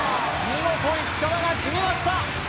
見事石川が決めました